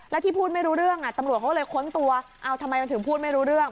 แล้วที่พูดไม่รู้เรื่องตำรวจเขาเลยค้นตัวเอาทำไมมันถึงพูดไม่รู้เรื่อง